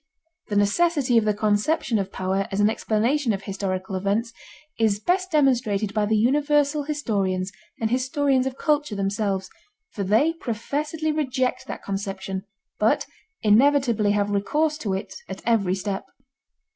The necessity of the conception of power as an explanation of historical events is best demonstrated by the universal historians and historians of culture themselves, for they professedly reject that conception but inevitably have recourse to it at every step.